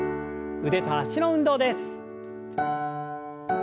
腕と脚の運動です。